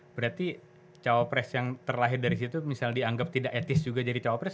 berarti cowok pres yang terlahir dari situ misalnya dianggap tidak etis juga jadi cowok pres